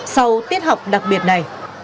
sau tiết học đặc biệt này